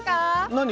何？